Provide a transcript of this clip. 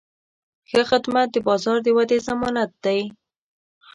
ښه خدمت د بازار د ودې ضمانت دی.